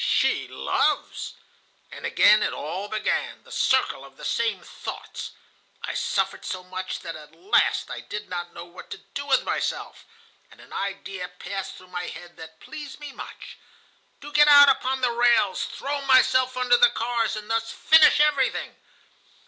She loves. "And again it all began, the circle of the same thoughts. I suffered so much that at last I did not know what to do with myself, and an idea passed through my head that pleased me much,—to get out upon the rails, throw myself under the cars, and thus finish everything.